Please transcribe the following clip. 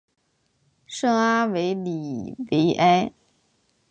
圣阿维里维埃。